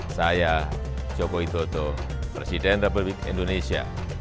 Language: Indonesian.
saya joko widodo presiden republik indonesia